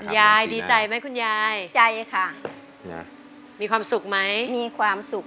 ยายดีใจไหมคุณยายดีใจค่ะมีความสุขไหมมีความสุข